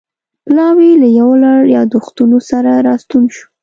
پلاوی له یو لړ یادښتونو سره راستون شو